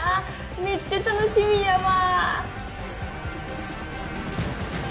めっちゃ楽しみやわ！